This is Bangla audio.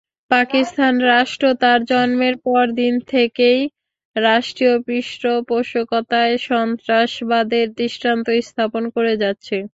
পাকিস্তান রাষ্ট্র তার জন্মের পরদিন থেকেই রাষ্ট্রীয় পৃষ্ঠপোষকতায় সন্ত্রাসবাদের দৃষ্টান্ত স্থাপন করে যাচ্ছে।